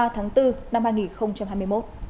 hai nghìn hai mươi ba tháng bốn năm hai nghìn hai mươi một